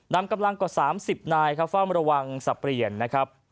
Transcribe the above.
นำกำลังกว่าสามสิบนายครับฟ่ามาระวังสัตว์เปลี่ยนนะครับ